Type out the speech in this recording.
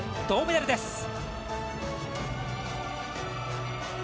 銅メダルです。